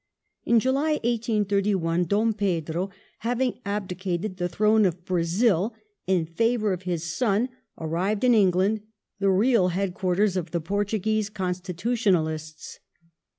In July, 1831, Dom Pedro, having abdicated the throne of Brazil iii favour of his son, arrived in England, the real head quarters of the Portuguese Constitutional ists.